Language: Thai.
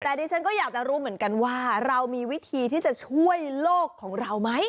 แต่ดิฉันก็อยากจะรู้เหมือนกันว่าเรามีวิธีที่จะช่วยโลกของเราไหม